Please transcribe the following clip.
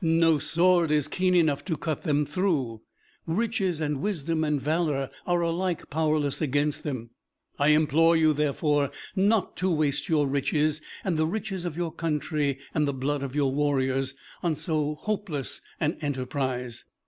No sword is keen enough to cut them through; riches and wisdom and valor are alike powerless against them. I implore you, therefore, not to waste your riches, and the riches of your country and the blood of your warriors, on so hopeless an enterprise."